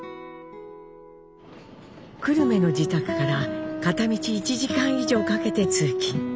久留米の自宅から片道１時間以上かけて通勤。